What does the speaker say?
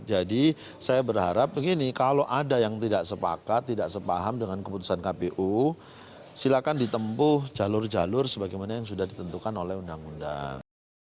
jadi saya berharap begini kalau ada yang tidak sepakat tidak sepaham dengan keputusan kpu silakan ditempuh jalur jalur sebagaimana yang sudah ditentukan oleh undang undang